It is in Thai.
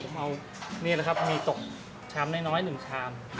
ผมเอานี่แหละครับมีตกชามน้อย๑ชาม